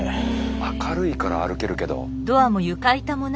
明るいから歩けるけど。